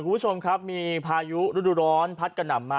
คุณผู้ชมครับมีพายุฤดูร้อนพัดกระหน่ำมา